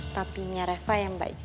tapi nyarefa yang baik